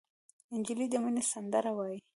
نجلۍ د مینې سندره وایي.